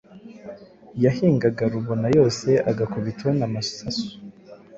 Yahingaga Rubona yose agakubitaho na Musasu